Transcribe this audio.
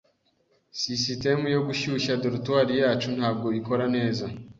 Sisitemu yo gushyushya dortoir yacu ntabwo ikora neza.